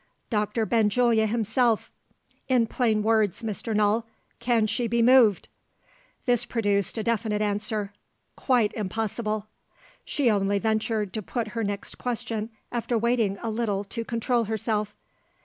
Doctor Benjulia himself " "In plain words, Mr. Null, can she be moved?" This produced a definite answer. "Quite impossible." She only ventured to put her next question after waiting a little to control herself.